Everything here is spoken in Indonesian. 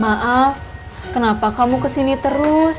maaf kenapa kamu kesini terus